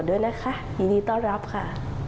ด้วยนะคะยินดีต้อนรับค่ะ